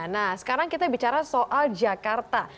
nah sekarang kita bicara soal jakarta